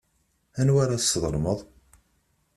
Anwa ara tesḍelmeḍ?